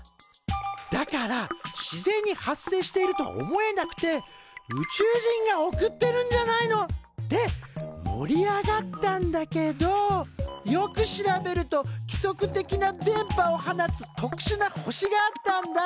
だから自然に発生しているとは思えなくて宇宙人が送ってるんじゃないの？って盛り上がったんだけどよく調べると規則的な電波を放つとくしゅな星があったんだ。